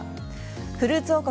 フルーツ王国